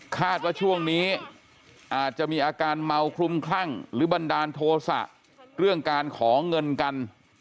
ว่าช่วงนี้อาจจะมีอาการเมาคลุมคลั่งหรือบันดาลโทษะเรื่องการขอเงินกัน